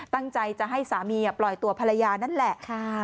ตั้งใจจะให้สามีปล่อยตัวภรรยานั่นแหละ